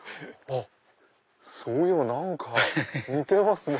そういえば何か似てますね。